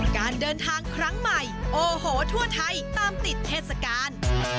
การเดินทางครั้งใหม่โอ้โหทั่วไทยตามติดเทศกาล